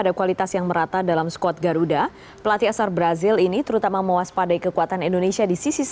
di stadion utara indonesia